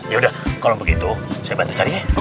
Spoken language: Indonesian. ya udah kalau begitu saya bantu carinya